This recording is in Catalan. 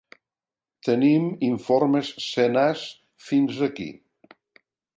Tenim informes senars fins aquí.